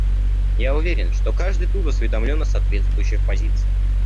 Я уверен, что каждый тут осведомлен о соответствующих позициях.